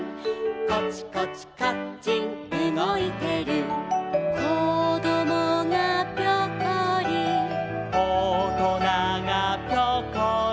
「コチコチカッチンうごいてる」「こどもがピョコリ」「おとながピョコリ」